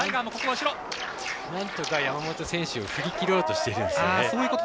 なんとか山本選手を振り切ろうとしているんですね。